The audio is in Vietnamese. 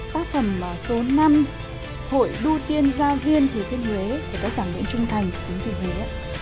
tác phẩm số năm hội đu tiên giao viên thủy thiên huế của tác giả nguyễn trung thành đến từ huế